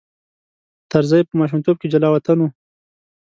طرزی په ماشومتوب کې جلاوطن و.